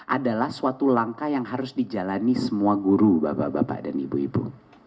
adalah suatu langkah yang harus dijalani semua guru bapak bapak dan ibu ibu